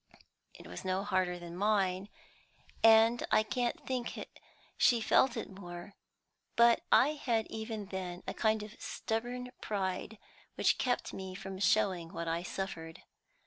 It was no harder than mine, and I can't think she felt it more; but I had even then a kind of stubborn pride which kept me from showing what I suffered.